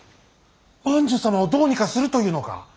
万寿様をどうにかするというのか。